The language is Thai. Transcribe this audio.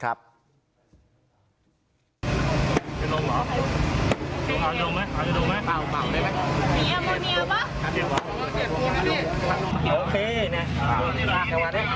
ต่อไป